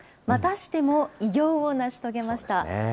またしても偉業を成し遂げました。